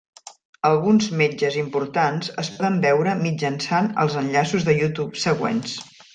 Alguns metges importants es poden veure mitjançant els enllaços de YouTube següents.